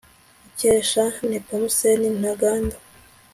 Icyesha Y Nepomuseni Ntaganda